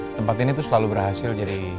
tempat ini tuh selalu berhasil jadi